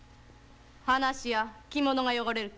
離しや着物が汚れるき